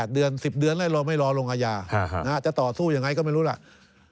เดือน๑๐เดือนแล้วเราไม่รอลงอาญาจะต่อสู้ยังไงก็ไม่รู้ล่ะ